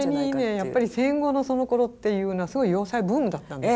やっぱり戦後のそのころっていうのはすごい洋裁ブームだったんです。